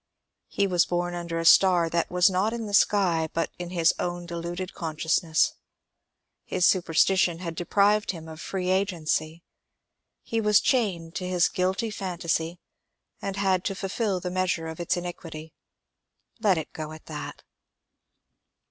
He was bom under a star that was not in the sky but in his own deluded consciousness ; his superstition had deprived him of free agency. He was chained to his guilty phantasy, and had to fill the measure of its iniquity. Let it go at that.